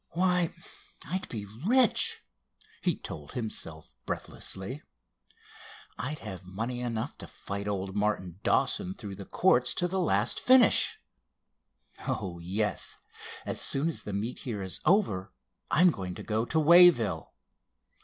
"Why, I'd be rich!" he told himself breathlessly. "I'd have money enough to fight old Martin Dawson through the courts to the last finish. Oh, yes—as soon as the meet here is over, I'm going to go to Wayville.